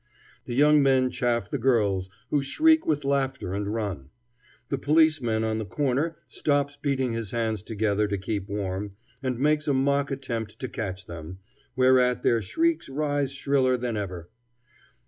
The young men chaff the girls, who shriek with laughter and run. The policeman on the corner stops beating his hands together to keep warm, and makes a mock attempt to catch them, whereat their shrieks rise shriller than ever.